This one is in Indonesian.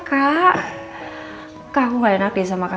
kak aku gak enak deh sama kakak